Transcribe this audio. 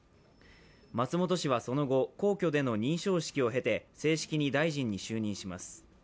松本氏はその後、皇居での認証式を経て正式に大臣に就任します。